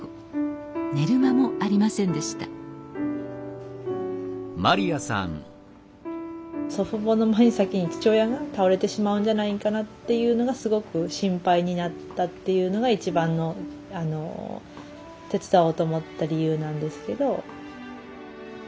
寝る間もありませんでした祖父母の前に先に父親が倒れてしまうんじゃないんかなっていうのがすごく心配になったっていうのが一番の手伝おうと思った理由なんですけど。